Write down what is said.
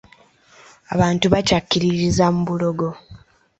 Abantu bakyakkiririza mu bulogo.